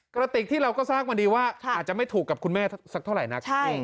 กระติกที่เราก็ทราบมาดีว่าอาจจะไม่ถูกกับคุณแม่สักเท่าไหร่นัก